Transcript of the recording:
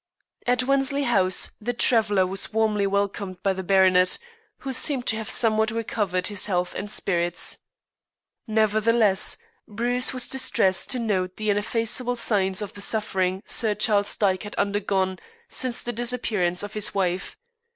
At Wensley House the traveller was warmly welcomed by the baronet, who seemed to have somewhat recovered his health and spirits. Nevertheless, Bruce was distressed to note the ineffaceable signs of the suffering Sir Charles Dyke had undergone since the disappearance of his wife.